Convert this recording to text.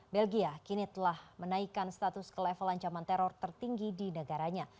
belgia kini telah menaikkan status ke level ancaman teror tertinggi di negaranya